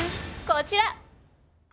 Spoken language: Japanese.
こちら！